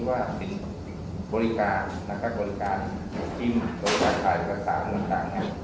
ว่าบริการนะครับบริการจิ้มบริการขายรูปการณ์สารมือต่าง